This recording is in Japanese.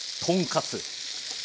とんかつ。